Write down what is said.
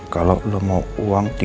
kalau lo mau uang tiga puluh juta